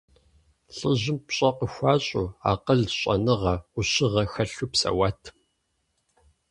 Лӏыжьым пщӀэ къыхуащӀу, акъыл, щӀэныгъэ, Ӏущыгъэ хэлъу псэуат.